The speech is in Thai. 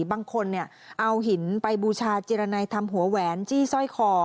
บางคนเอาหินไปบูชาเจรนัยทำหัวแหวนจี้สร้อยคอ